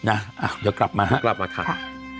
นะอ่าเดี๋ยวกลับมาครับกลับมาค่ะ